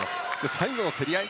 最後の競り合い